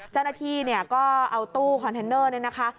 เจ้าหน้าที่ก็เอาตู้คอนเทนเนอร์นี้นะคะ